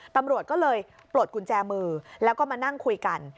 ตำรวจก็เลยปลดกุญแจมือแล้วก็มานั่งคุยกัน